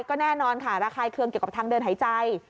ก็แน่นอนค่ะระคายเคืองเกี่ยวกับทางเดินหายใจ